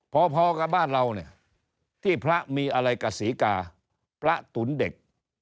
พอกับบ้านเราเนี่ยที่พระมีอะไรกับศรีกาพระตุ๋นเด็ก